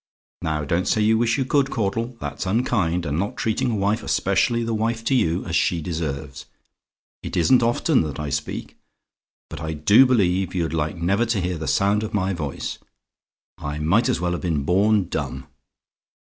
Now don't say you wish you could, Caudle; that's unkind, and not treating a wife especially the wife to you as she deserves. It isn't often that I speak but I DO believe you'd like never to hear the sound of my voice. I might as well have been born dumb!